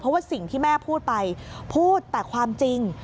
เพราะว่าสิ่งที่แม่พูดไปพูดแต่ความจริง